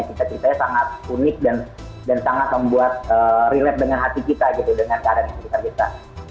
kita ceritanya sangat unik dan sangat membuat relax dengan hati kita dengan keadaan di sekitar kita